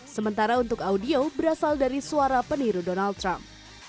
sementara untuk audio berasal dari suara peniru donald trump